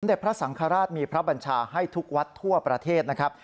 พระสังฆราชมีพระบัญชาให้ทุกวัดทั่วประเทศนะครับ